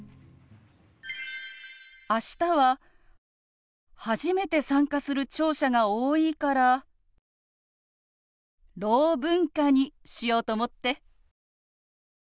明日は初めて参加する聴者が多いから「ろう文化」にしようと思って。